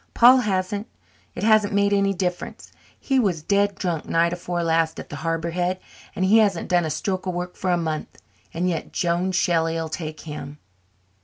Paul hasn't. It hasn't made any difference. He was dead drunk night afore last at the Harbour head, and he hasn't done a stroke of work for a month. And yet Joan Shelley'll take him."